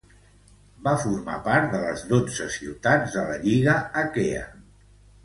Va formar part de les dotze ciutats de la Lliga Aquea.